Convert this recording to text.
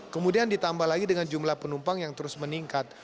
kemudian ditambah lagi dengan jumlah penumpang yang terus meningkat